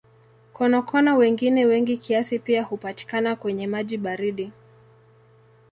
Konokono wengine wengi kiasi pia hupatikana kwenye maji baridi.